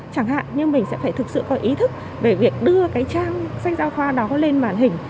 chẳng hạn như mình sẽ phải thực sự có ý thức về việc đưa cái trang sách giáo khoa đó lên màn hình